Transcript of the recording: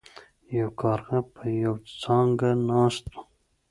یو کارغه په یوه څانګه ناست و.